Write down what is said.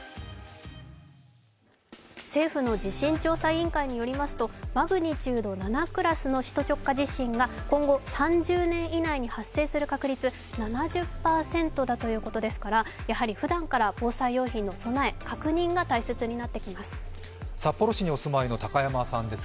政府の地震調査委員会によりますとマグニチュード７クラスの首都直下地震が今後３０年以内に発生する確率、７０％だということですからふだんから防災用品の備え、確認が大切になってきます。